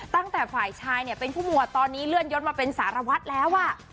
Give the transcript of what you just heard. ตั้งแต่ฝ่ายชายเนี่ยเป็นผู้หมวดตอนนี้เลื่อนยศมาเป็นสารวัตรแล้ว